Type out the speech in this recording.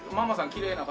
きれいな方。